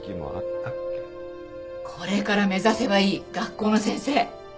これから目指せばいい学校の先生！